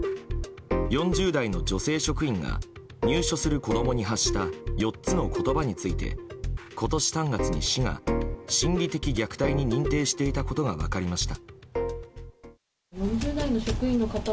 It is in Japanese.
４０代の女性職員が入所する子供に発した４つの言葉について今年３月に、市が心理的虐待に認定していたことが分かりました。